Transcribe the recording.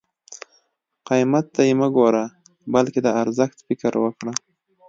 قیمت ته یې مه ګوره بلکې د ارزښت فکر وکړه.